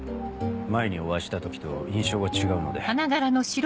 前にお会いした時と印象が違うので。